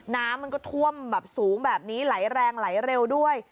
น้ำมันก็ท่วมแบบสูงแบบนี้ไหลแรงไหลเร็วด้วย